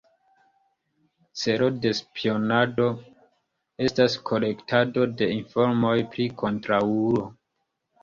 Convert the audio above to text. Celo de spionado estas kolektado de informoj pri kontraŭulo.